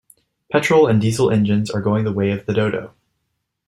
Petrol and Diesel engines are going the way of the dodo.